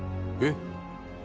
えっ？